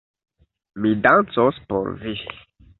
Mi dancos por vi.